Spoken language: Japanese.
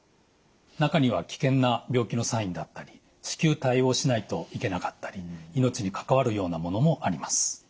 中には危険な病気のサインだったり至急対応しないといけなかったり命に関わるようなものもあります。